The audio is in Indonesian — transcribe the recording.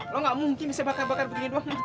lo gak mungkin bisa bakar bakar begini doang